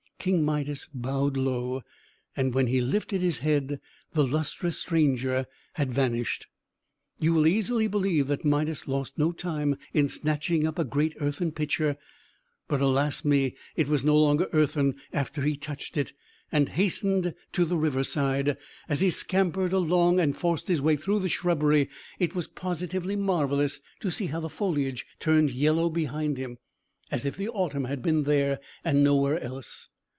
King Midas bowed low; and when he lifted his head, the lustrous stranger had vanished. You will easily believe that Midas lost no time in snatching up a great earthen pitcher (but, alas me! it was no longer earthen after he touched it), and hastening to the river side. As he scampered along, and forced his way through the shrubbery, it was positively marvellous to see how the foliage turned yellow behind him, as if the autumn had been there, and nowhere else.